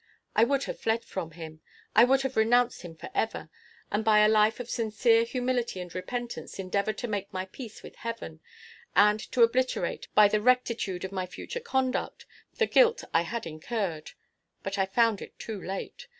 I would have fled from him; I would have renounced him forever, and by a life of sincere humility and repentance endeavored to make my peace with Heaven, and to obliterate, by the rectitude of my future conduct, the guilt I had incurred; but I found it too late.